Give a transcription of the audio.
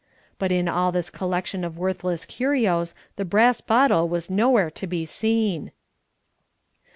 But in all this collection of worthless curios the brass bottle was nowhere to be seen.